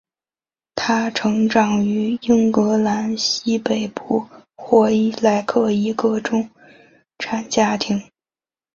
她成长于英格兰西北部霍伊莱克一个中产家庭。